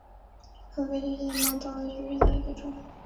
河边千斤拔为豆科千斤拔属下的一个种。